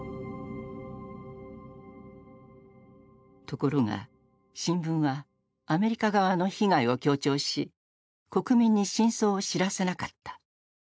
ところが新聞はアメリカ側の被害を強調し国民に真相を知らせなかった。